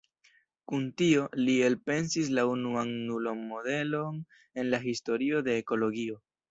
Kun tio, li elpensis la unuan nulo-modelon en la historio de ekologio.